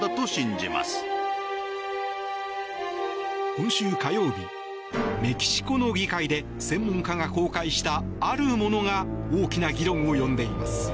今週火曜日、メキシコの議会で専門家が公開した、あるものが大きな議論を呼んでいます。